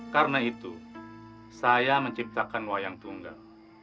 karena itu saya menciptakan wayang tunggal